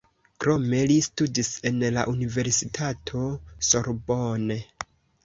Krome li studis en la universitato Sorbonne.